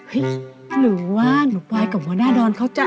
หรือว่าหนูปลายกับหัวหน้าดอนเขาจ้